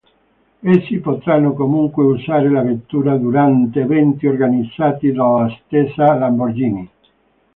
Essi potranno comunque usare la vettura durante eventi organizzati dalla stessa Lamborghini.